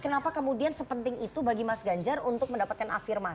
mas awi tapi kenapa kemudian sepenting itu bagi mas ganjar untuk mendapatkan afirmasi